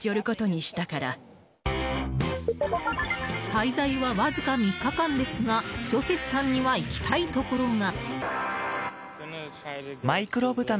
滞在は、わずか３日間ですがジョセフさんには行きたいところが。